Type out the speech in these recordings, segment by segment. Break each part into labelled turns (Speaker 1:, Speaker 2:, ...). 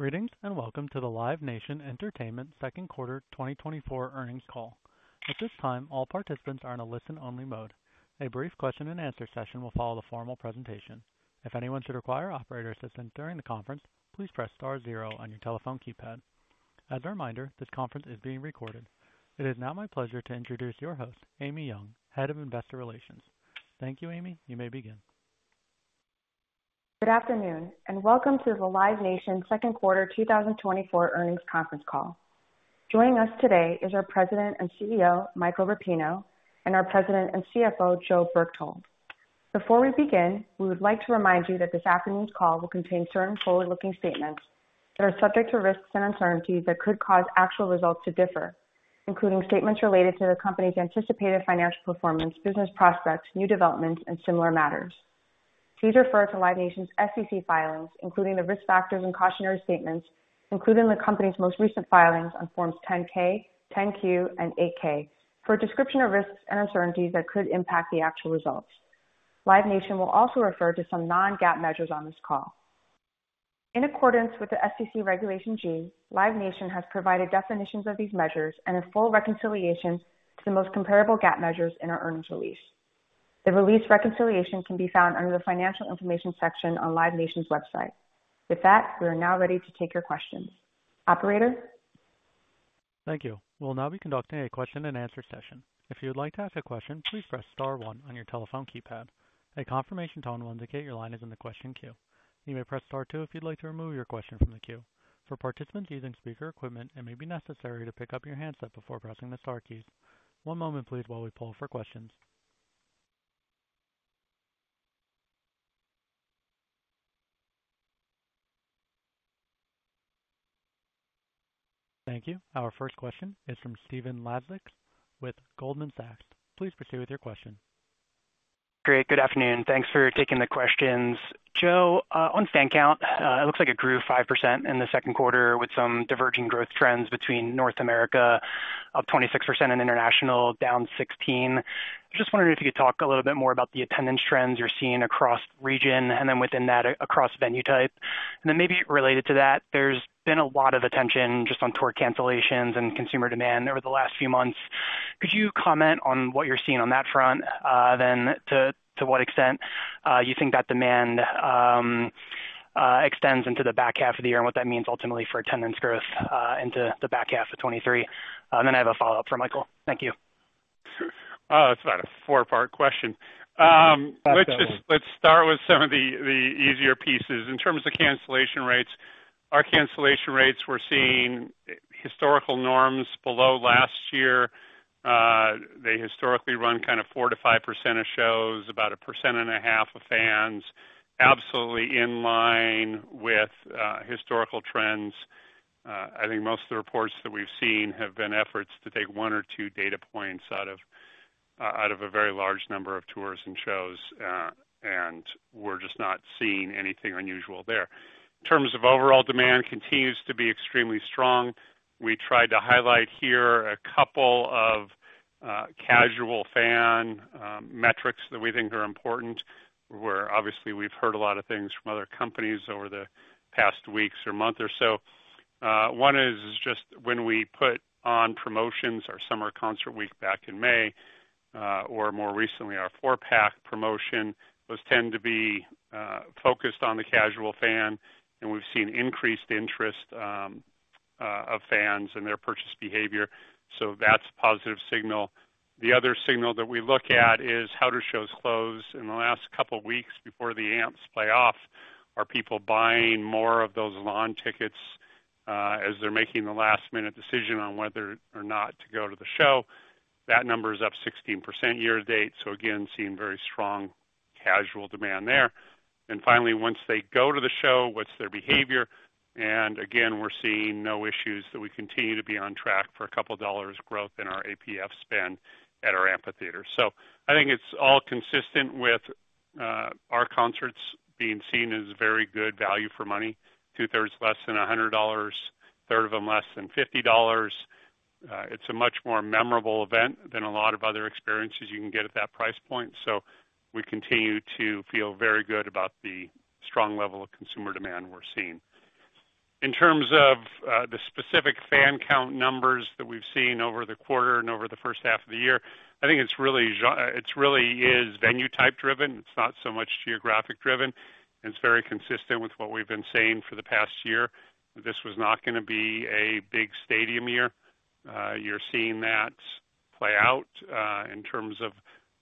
Speaker 1: Greetings, and welcome to the Live Nation Entertainment Q2 2024 earnings call. At this time, all participants are in a listen-only mode. A brief question and answer session will follow the formal presentation. If anyone should require operator assistance during the conference, please press star zero on your telephone keypad. As a reminder, this conference is being recorded. It is now my pleasure to introduce your host, Amy Yong, Head of Investor Relations. Thank you, Amy. You may begin.
Speaker 2: Good afternoon, and welcome to the Live Nation Q2 2024 earnings conference call. Joining us today is our President and CEO, Michael Rapino, and our President and CFO, Joe Berchtold. Before we begin, we would like to remind you that this afternoon's call will contain certain forward-looking statements that are subject to risks and uncertainties that could cause actual results to differ, including statements related to the company's anticipated financial performance, business prospects, new developments, and similar matters. Please refer to Live Nation's SEC filings, including the risk factors and cautionary statements, including the company's most recent filings on Forms 10-K, 10-Q, and 8-K, for a description of risks and uncertainties that could impact the actual results. Live Nation will also refer to some non-GAAP measures on this call. In accordance with the SEC Regulation G, Live Nation has provided definitions of these measures and a full reconciliation to the most comparable GAAP measures in our earnings release. The release reconciliation can be found under the Financial Information section on Live Nation's website. With that, we are now ready to take your questions. Operator?
Speaker 1: Thank you. We'll now be conducting a question-and-answer session. If you would like to ask a question, please press star one on your telephone keypad. A confirmation tone will indicate your line is in the question queue. You may press star two if you'd like to remove your question from the queue. For participants using speaker equipment, it may be necessary to pick up your handset before pressing the star keys. One moment, please, while we poll for questions. Thank you. Our first question is from Stephen Laszczyk with Goldman Sachs. Please proceed with your question.
Speaker 3: Great. Good afternoon. Thanks for taking the questions. Joe, on fan count, it looks like it grew 5% in the Q2 with some diverging growth trends between North America, up 26% in international, down 16%. Just wondering if you could talk a little bit more about the attendance trends you're seeing across region, and then within that, across venue type. And then maybe related to that, there's been a lot of attention just on tour cancellations and consumer demand over the last few months. Could you comment on what you're seeing on that front, then to, to what extent you think that demand extends into the back half of the year and what that means ultimately for attendance growth, into the back half of 2023? And then I have a follow-up for Michael. Thank you.
Speaker 4: It's about a four-part question. Let's start with some of the easier pieces. In terms of cancellation rates, our cancellation rates, we're seeing historical norms below last year. They historically run kind of 4%-5% of shows, about 1.5% of fans, absolutely in line with historical trends. I think most of the reports that we've seen have been efforts to take one or two data points out of a very large number of tours and shows, and we're just not seeing anything unusual there. In terms of overall demand continues to be extremely strong. We tried to highlight here a couple of casual fan metrics that we think are important, where obviously we've heard a lot of things from other companies over the past weeks or month or so. One is just when we put on promotions, our Summer Concert Week back in May, or more recently, our four-pack promotion, those tend to be, focused on the casual fan, and we've seen increased interest, of fans and their purchase behavior. So that's a positive signal. The other signal that we look at is how do shows close in the last couple of weeks before the amps play off? Are people buying more of those lawn tickets, as they're making the last-minute decision on whether or not to go to the show? That number is up 16% year to date, so again, seeing very strong casual demand there. And finally, once they go to the show, what's their behavior? Again, we're seeing no issues that we continue to be on track for a couple of dollars growth in our APF spend at our amphitheater. So I think it's all consistent with our concerts being seen as very good value for money, 2/3 less than $100, a third of them less than $50. It's a much more memorable event than a lot of other experiences you can get at that price point. So we continue to feel very good about the strong level of consumer demand we're seeing. In terms of the specific fan count numbers that we've seen over the quarter and over the first half of the year, I think it's really it's really is venue type driven. It's not so much geographic driven. It's very consistent with what we've been saying for the past year. This was not gonna be a big stadium year. You're seeing that play out in terms of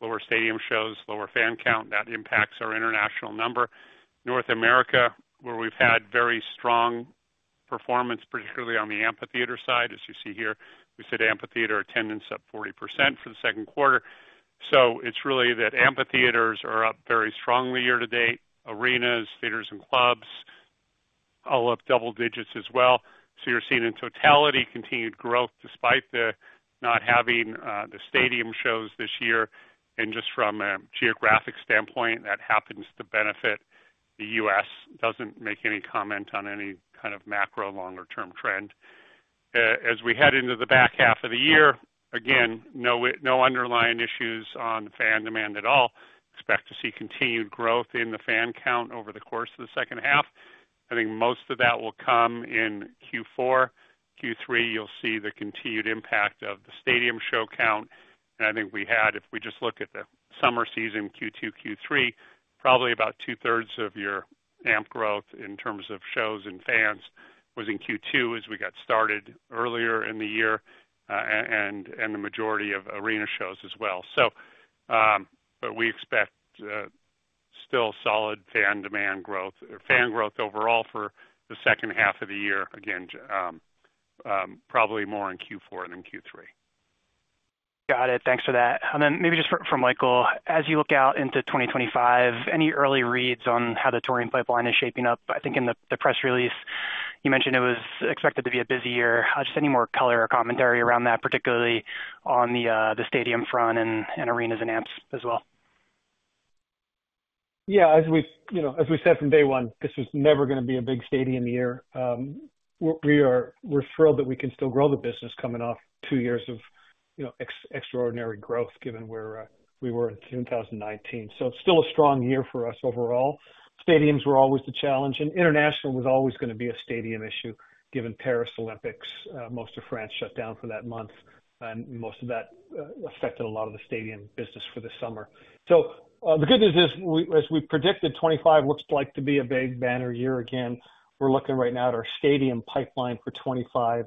Speaker 4: lower stadium shows, lower fan count. That impacts our international number. North America, where we've had very strong performance, particularly on the amphitheater side, as you see here, we said amphitheater attendance up 40% for the Q2. So it's really that amphitheaters are up very strongly year to date, arenas, theaters and clubs, all up double digits as well. So you're seeing in totality, continued growth, despite the not having the stadium shows this year. And just from a geographic standpoint, that happens to benefit the U.S. Doesn't make any comment on any kind of macro longer-term trend. As we head into the back half of the year, again, no underlying issues on fan demand at all. Expect to see continued growth in the fan count over the course of the second half. I think most of that will come in Q4. Q3, you'll see the continued impact of the stadium show count. And I think we had, if we just look at the summer season, Q2, Q3, probably about two-thirds of your amp growth in terms of shows and fans was in Q2 as we got started earlier in the year, and the majority of arena shows as well. So, but we expect, still solid fan demand growth or fan growth overall for the second half of the year. Again, probably more in Q4 than Q3.
Speaker 3: Got it. Thanks for that. And then maybe just for Michael, as you look out into 2025, any early reads on how the touring pipeline is shaping up? I think in the press release, you mentioned it was expected to be a busy year. Just any more color or commentary around that, particularly on the stadium front and arenas and amps as well.
Speaker 5: Yeah, as we've, you know, as we said from day one, this is never going to be a big stadium year. We're thrilled that we can still grow the business coming off two years of, you know, extraordinary growth given where we were in 2019. So it's still a strong year for us overall. Stadiums were always the challenge, and international was always going to be a stadium issue, given Paris Olympics, most of France shut down for that month, and most of that affected a lot of the stadium business for the summer. So the good news is, as we predicted, 25 looks like to be a big banner year again. We're looking right now at our stadium pipeline for 25.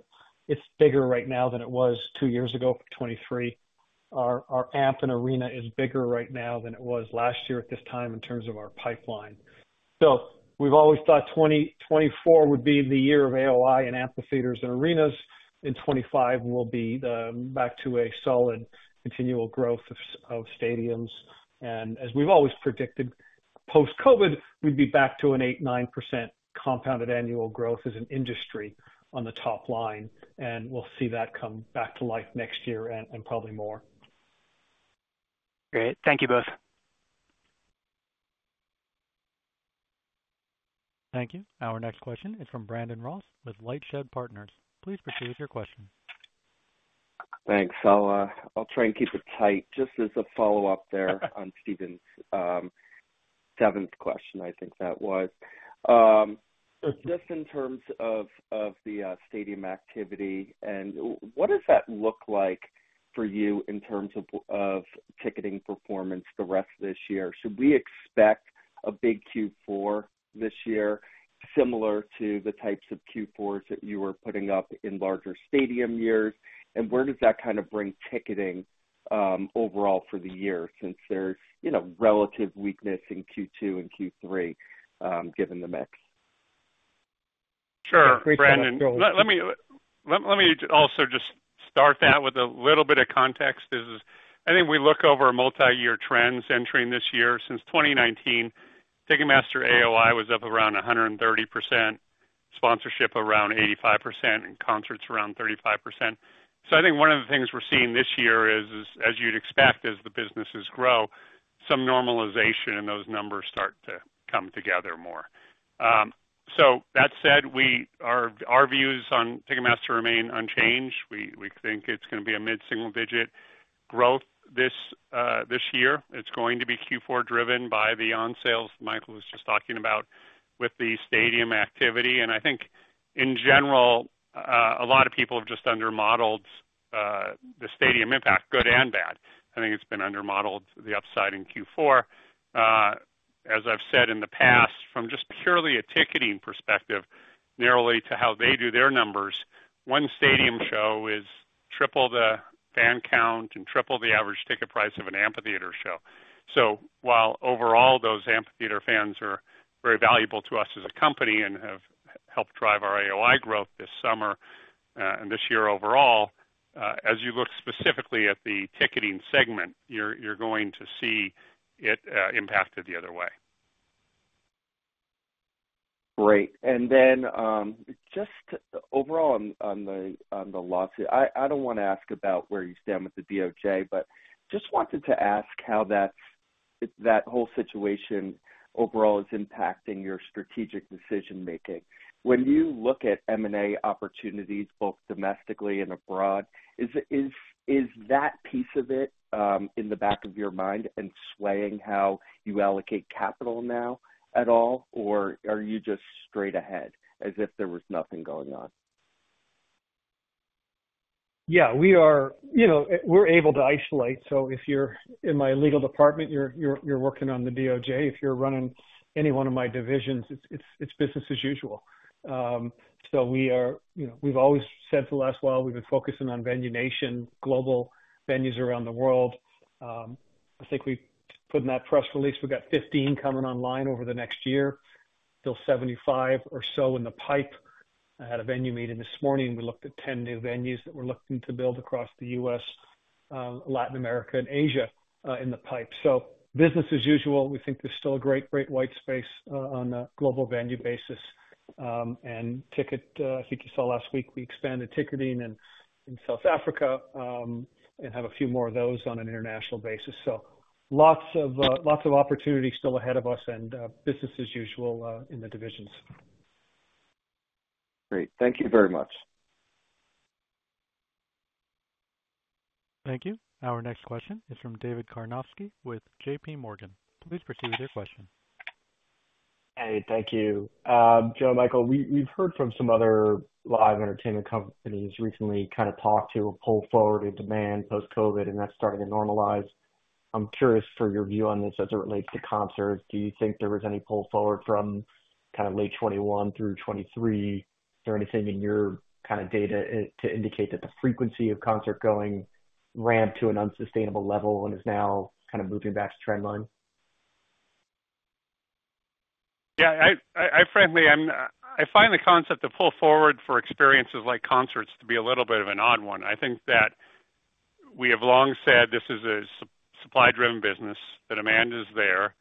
Speaker 5: It's bigger right now than it was two years ago for 23. Our amp and arena is bigger right now than it was last year at this time in terms of our pipeline. So we've always thought 2024 would be the year of AOI and amphitheaters and arenas, and 2025 will be back to a solid continual growth of stadiums. And as we've always predicted, post-COVID, we'd be back to an 8%-9% compounded annual growth as an industry on the top line, and we'll see that come back to life next year and probably more.
Speaker 3: Great. Thank you both.
Speaker 1: Thank you. Our next question is from Brandon Ross with LightShed Partners. Please proceed with your question.
Speaker 6: Thanks. I'll, I'll try and keep it tight. Just as a follow-up there on Stephen's seventh question, I think that was. So just in terms of the stadium activity, and what does that look like for you in terms of ticketing performance the rest of this year? Should we expect a big Q4 this year, similar to the types of Q4s that you were putting up in larger stadium years? And where does that kind of bring ticketing overall for the year, since there's, you know, relative weakness in Q2 and Q3, given the mix?
Speaker 4: Sure, Brandon. Let me also just start that with a little bit of context. I think we look over multi-year trends entering this year. Since 2019, Ticketmaster AOI was up around 130%, sponsorship around 85%, and concerts around 35%. So I think one of the things we're seeing this year is, as you'd expect, as the businesses grow, some normalization, and those numbers start to come together more. So that said, our views on Ticketmaster remain unchanged. We think it's going to be a mid-single-digit growth this year. It's going to be Q4, driven by the on sales Michael was just talking about with the stadium activity. And I think in general, a lot of people have just under-modeled the stadium impact, good and bad. I think it's been under-modeled, the upside in Q4. As I've said in the past, from just purely a ticketing perspective, narrowly to how they do their numbers, one stadium show is triple the fan count and triple the average ticket price of an amphitheater show. So while overall those amphitheater fans are very valuable to us as a company and have helped drive our AOI growth this summer, and this year overall, as you look specifically at the ticketing segment, you're going to see it impacted the other way.
Speaker 6: Great. And then, just overall on the lawsuit, I don't want to ask about where you stand with the DOJ, but just wanted to ask how that whole situation overall is impacting your strategic decision making. When you look at M&A opportunities, both domestically and abroad, is that piece of it in the back of your mind and swaying how you allocate capital now at all? Or are you just straight ahead as if there was nothing going on?
Speaker 5: Yeah, we are, you know, we're able to isolate. So if you're in my legal department, you're working on the DOJ. If you're running any one of my divisions, it's business as usual. So we are, you know, we've always said for the last while we've been focusing on Venue Nation, global venues around the world. I think we put in that press release, we've got 15 coming online over the next year, still 75 or so in the pipe. I had a venue meeting this morning. We looked at 10 new venues that we're looking to build across the US, Latin America and Asia, in the pipe. So business as usual, we think there's still a great, great white space on a global venue basis. And ticketing, I think you saw last week, we expanded ticketing in South Africa, and have a few more of those on an international basis. So lots of opportunities still ahead of us and business as usual in the divisions.
Speaker 6: Great. Thank you very much.
Speaker 1: Thank you. Our next question is from David Karnofsky with J.P. Morgan. Please proceed with your question.
Speaker 7: Hey, thank you. Joe, Michael, we, we've heard from some other live entertainment companies recently kind of talk to a pull forward in demand post-COVID, and that's starting to normalize. I'm curious for your view on this as it relates to concerts. Do you think there was any pull forward from kind of late 2021 through 2023? Is there anything in your kind of data to indicate that the frequency of concert-going ramped to an unsustainable level and is now kind of moving back to trend line?
Speaker 4: Yeah, frankly, I find the concept of pull forward for experiences like concerts to be a little bit of an odd one. I think that we have long said this is a supply driven business, that demand is there.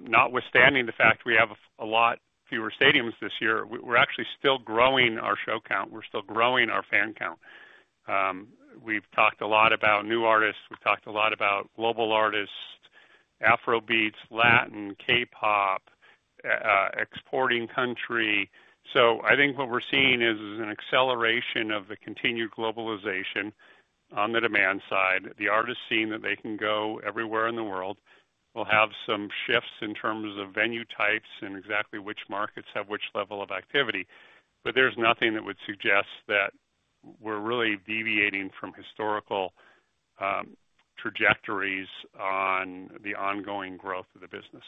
Speaker 4: Notwithstanding the fact we have a lot fewer stadiums this year, we're actually still growing our show count. We're still growing our fan count. We've talked a lot about new artists, we've talked a lot about global artists, Afrobeats, Latin, K-pop, exporting country. So I think what we're seeing is an acceleration of the continued globalization on the demand side. The artists seeing that they can go everywhere in the world, will have some shifts in terms of venue types and exactly which markets have which level of activity. But there's nothing that would suggest that we're really deviating from historical trajectories on the ongoing growth of the business.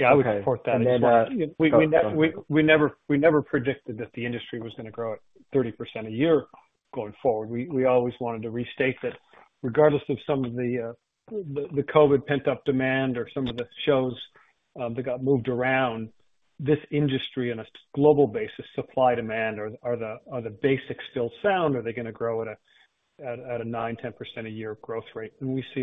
Speaker 7: Okay, and then,
Speaker 5: Yeah, I would support that. We never predicted that the industry was gonna grow at 30% a year going forward. We always wanted to restate that regardless of some of the the COVID pent-up demand or some of the shows that got moved around, this industry on a global basis, supply, demand, are the basics still sound? Are they gonna grow at a 9%-10% a year growth rate? And we see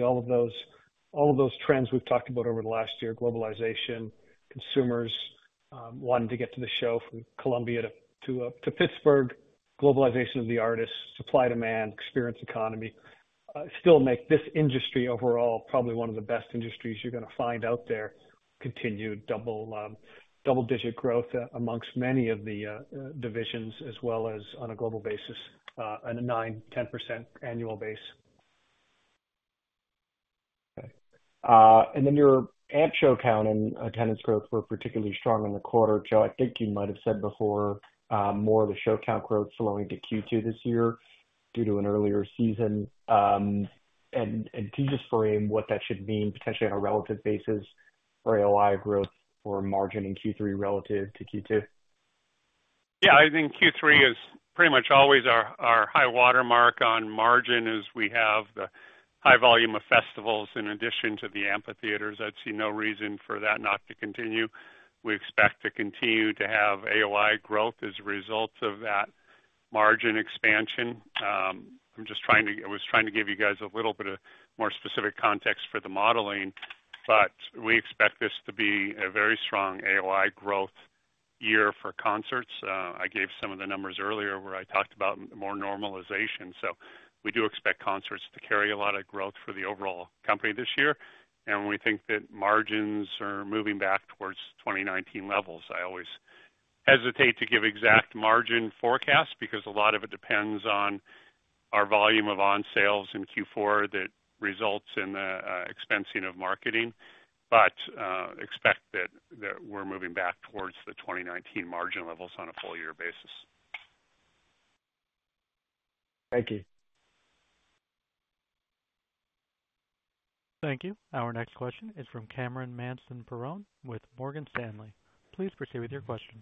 Speaker 5: all of those trends we've talked about over the last year, globalization, consumers wanting to get to the show from Colombia to Pittsburgh, globalization of the artists, supply, demand, experience, economy still make this industry overall, probably one of the best industries you're gonna find out there. Continued double-digit growth amongst many of the divisions, as well as on a global basis, on a 9%-10% annual basis.
Speaker 7: Okay. And then your amp show count and attendance growth were particularly strong in the quarter. Joe, I think you might have said before, more of the show count growth slowing to Q2 this year due to an earlier season. And can you just frame what that should mean, potentially on a relative basis for AOI growth or margin in Q3 relative to Q2?
Speaker 4: Yeah, I think Q3 is pretty much always our high water mark on margin, as we have the high volume of festivals in addition to the amphitheaters. I see no reason for that not to continue. We expect to continue to have AOI growth as a result of that margin expansion. I'm just trying to... I was trying to give you guys a little bit of more specific context for the modeling, but we expect this to be a very strong AOI growth year for concerts. I gave some of the numbers earlier, where I talked about more normalization. So we do expect concerts to carry a lot of growth for the overall company this year, and we think that margins are moving back towards 2019 levels. I always hesitate to give exact margin forecasts, because a lot of it depends on our volume of on sales in Q4 that results in the expensing of marketing, but expect that we're moving back towards the 2019 margin levels on a full year basis.
Speaker 7: Thank you.
Speaker 1: Thank you. Our next question is from Cameron Mansson-Perrone with Morgan Stanley. Please proceed with your question.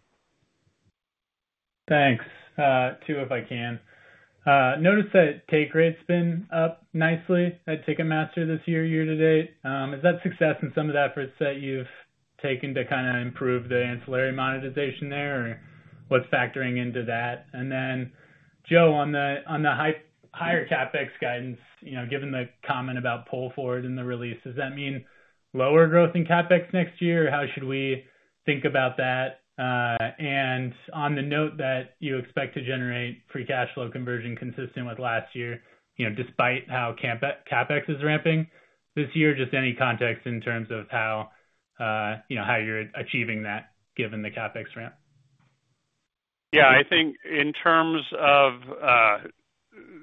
Speaker 8: Thanks. Two, if I can. Noticed that take rate's been up nicely at Ticketmaster this year, year to date. Is that success in some of the efforts that you've taken to kinda improve the ancillary monetization there, or what's factoring into that? And then, Joe, on the higher CapEx guidance, you know, given the comment about pull forward in the release, does that mean lower growth in CapEx next year, or how should we think about that? And on the note that you expect to generate free cash flow conversion consistent with last year, you know, despite how CapEx is ramping this year, just any context in terms of how, you know, how you're achieving that given the CapEx ramp?
Speaker 4: Yeah, I think in terms of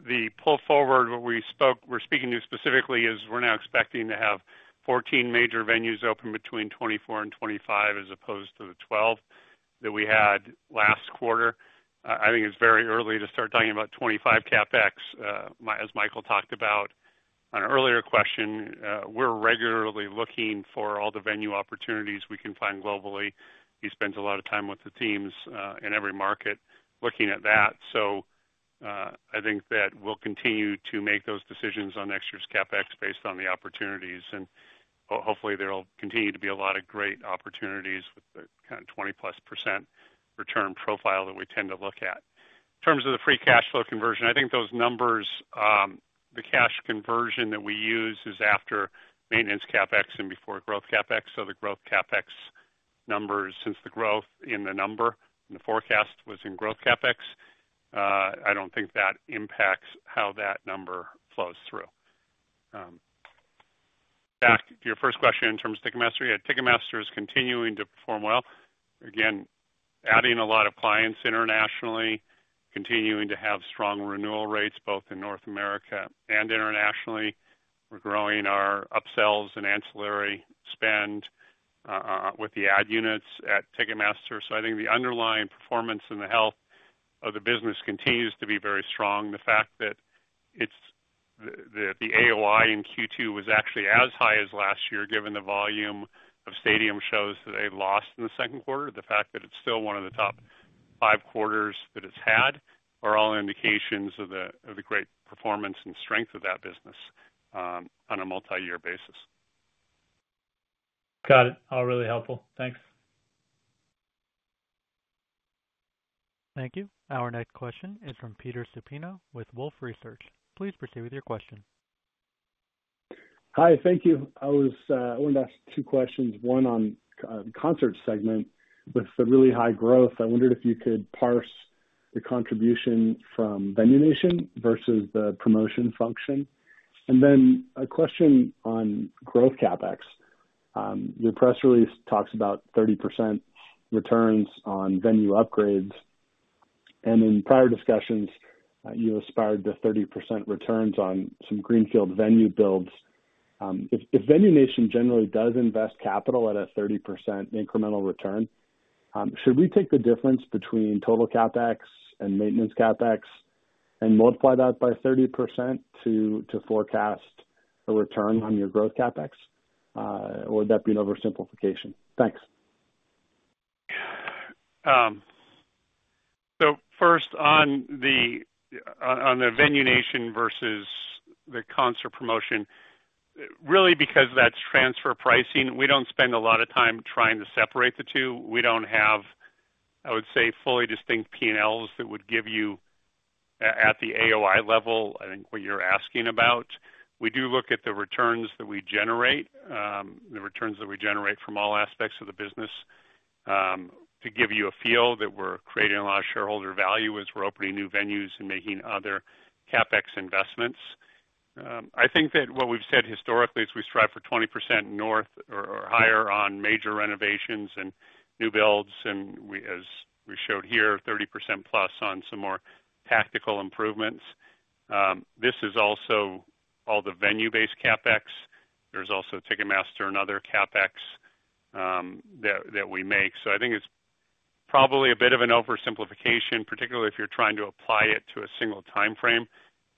Speaker 4: the pull forward, what we're speaking to specifically is we're now expecting to have 14 major venues open between 2024 and 2025, as opposed to the 12 that we had last quarter. I think it's very early to start talking about 2025 CapEx. As Michael talked about on an earlier question, we're regularly looking for all the venue opportunities we can find globally. He spends a lot of time with the teams in every market looking at that. So, I think that we'll continue to make those decisions on next year's CapEx based on the opportunities, and hopefully, there will continue to be a lot of great opportunities with the kind of 20+% return profile that we tend to look at. In terms of the free cash flow conversion, I think those numbers, the cash conversion that we use is after maintenance CapEx and before growth CapEx. So the growth CapEx numbers, since the growth in the number and the forecast was in growth CapEx, I don't think that impacts how that number flows through. Back to your first question in terms of Ticketmaster. Yeah, Ticketmaster is continuing to perform well. Again, adding a lot of clients internationally, continuing to have strong renewal rates, both in North America and internationally. We're growing our upsells and ancillary spend, with the ad units at Ticketmaster. So I think the underlying performance and the health of the business continues to be very strong. The fact that the AOI in Q2 was actually as high as last year, given the volume of stadium shows that they lost in the Q2, the fact that it's still one of the top five quarters that it's had, are all indications of the great performance and strength of that business on a multi-year basis.
Speaker 8: Got it. All really helpful. Thanks.
Speaker 1: Thank you. Our next question is from Peter Supino with Wolfe Research. Please proceed with your question.
Speaker 9: Hi, thank you. I wanted to ask 2 questions, one on concert segment. With the really high growth, I wondered if you could parse the contribution from Venue Nation versus the promotion function. And then a question on growth CapEx. Your press release talks about 30% returns on venue upgrades, and in prior discussions, you aspired to 30% returns on some greenfield venue builds. If Venue Nation generally does invest capital at a 30% incremental return, should we take the difference between total CapEx and maintenance CapEx and multiply that by 30% to forecast a return on your growth CapEx, or would that be an oversimplification? Thanks.
Speaker 4: So first on the Venue Nation versus the concert promotion, really, because that's transfer pricing, we don't spend a lot of time trying to separate the two. We don't have, I would say, fully distinct PNLs that would give you at the AOI level, I think, what you're asking about. We do look at the returns that we generate, the returns that we generate from all aspects of the business, to give you a feel that we're creating a lot of shareholder value as we're opening new venues and making other CapEx investments. I think that what we've said historically is we strive for 20% or higher on major renovations and new builds, and we, as we showed here, 30%+ on some more tactical improvements. This is also all the venue-based CapEx. There's also Ticketmaster and other CapEx that we make. So I think it's probably a bit of an oversimplification, particularly if you're trying to apply it to a single timeframe,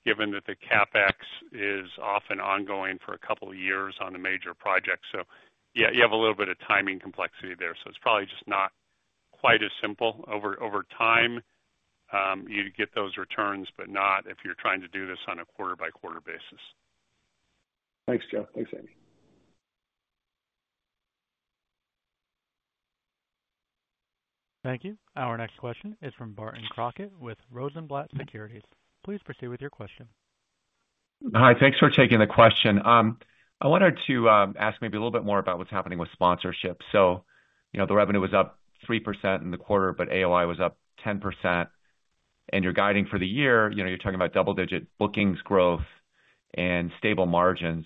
Speaker 4: given that the CapEx is often ongoing for a couple of years on a major project. So yeah, you have a little bit of timing complexity there, so it's probably just not quite as simple. Over time, you'd get those returns, but not if you're trying to do this on a quarter-by-quarter basis.
Speaker 9: Thanks, Joe. Thanks, Amy.
Speaker 1: Thank you. Our next question is from Barton Crockett with Rosenblatt Securities. Please proceed with your question.
Speaker 10: Hi, thanks for taking the question. I wanted to ask maybe a little bit more about what's happening with sponsorship. So, you know, the revenue was up 3% in the quarter, but AOI was up 10%, and you're guiding for the year. You know, you're talking about double-digit bookings growth and stable margins.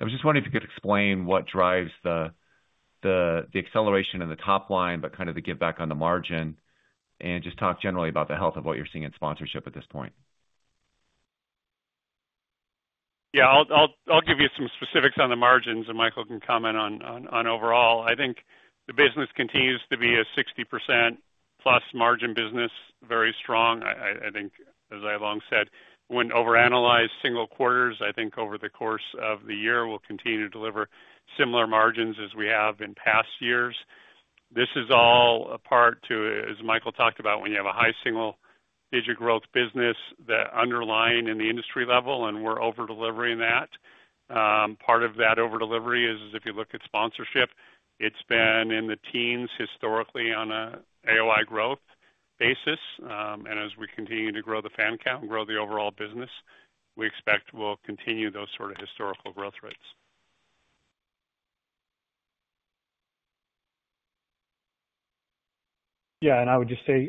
Speaker 10: I was just wondering if you could explain what drives the acceleration in the top line, but kind of the give back on the margin, and just talk generally about the health of what you're seeing in sponsorship at this point.
Speaker 4: Yeah, I'll give you some specifics on the margins, and Michael can comment on overall. I think the business continues to be a 60%+ margin business. Very strong. I think as I've long said, wouldn't overanalyze single quarters. I think over the course of the year, we'll continue to deliver similar margins as we have in past years. This is all a part to, as Michael talked about, when you have a high single-digit growth business, the underlying and the industry level, and we're over-delivering that. Part of that over-delivery is if you look at sponsorship, it's been in the teens% historically on a AOI growth basis. And as we continue to grow the fan count and grow the overall business, we expect we'll continue those sort of historical growth rates.
Speaker 5: Yeah, and I would just say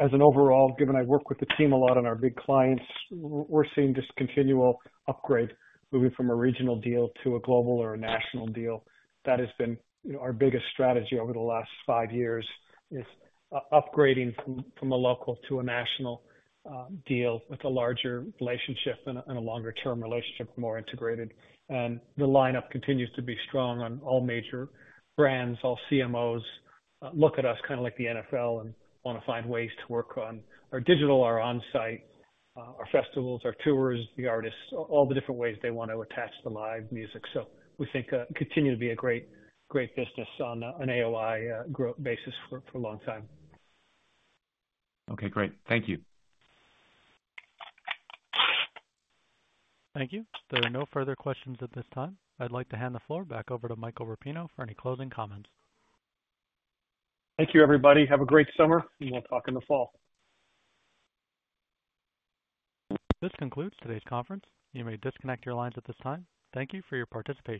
Speaker 5: as an overall, given I work with the team a lot on our big clients, we're seeing this continual upgrade, moving from a regional deal to a global or a national deal. That has been, you know, our biggest strategy over the last five years, is upgrading from a local to a national deal with a larger relationship and a longer-term relationship, more integrated. And the lineup continues to be strong on all major brands. All CMOs look at us kind of like the NFL and want to find ways to work on our digital or on-site, our festivals, our tours, the artists, all the different ways they want to attach the live music. So we think continue to be a great, great business on an AOI growth basis for a long time.
Speaker 10: Okay, great. Thank you.
Speaker 1: Thank you. There are no further questions at this time. I'd like to hand the floor back over to Michael Rapino for any closing comments.
Speaker 5: Thank you, everybody. Have a great summer, and we'll talk in the fall.
Speaker 1: This concludes today's conference. You may disconnect your lines at this time. Thank you for your participation.